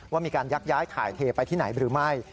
ว่ามีการยักย้ายถ่ายเทไปที่ไหนหรือไม่